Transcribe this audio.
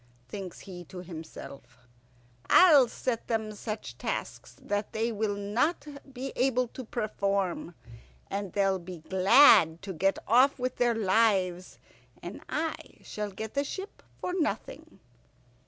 Thinks he to himself, "I'll set them such tasks that they will not be able to perform, and they'll be glad to get off with their lives, and I shall get the ship for nothing."